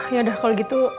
yaudah kalo gitu